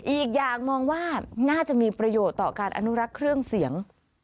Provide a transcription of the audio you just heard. อีกอย่างมองว่าน่าจะมีประโยชน์ต่อการอนุรักษ์เครื่องเสียง